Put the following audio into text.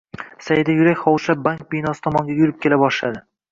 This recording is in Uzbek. Saida yurak xovuchlab bank binosi tomonga yurib kela boshladi